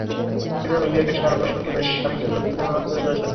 সবকিছু মিলিয়ে ক্যাটরিনা রণবীরের সঙ্গে বেশ খানিকটা দূরত্বই যেন তৈরি করেছিলেন।